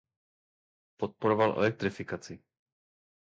Podporoval elektrifikaci.